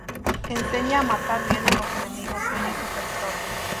Enseña a matar bien a los enemigos, dueños y servidores.